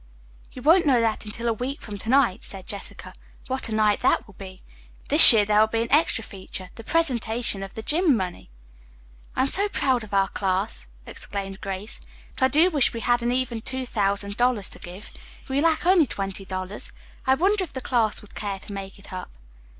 "You won't know that until a week from to night," said Jessica. "What a night that will be. This year there will be an extra feature, the presentation of the gym. money." "I am so proud of our class," exclaimed Grace, "but I do wish we had an even two thousand dollars to give. We lack only twenty dollars. I wonder if the class would care to make it up."